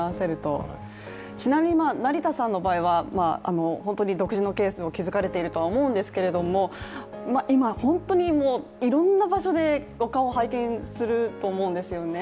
ちなみに成田さんの場合は本当に独自のケースを築かれていると思うんですけれども、今、本当にいろんな場所でお顔を拝見すると思うんですよね。